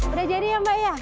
udah jadi ya mbak ya